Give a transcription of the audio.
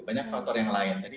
banyak faktor yang lain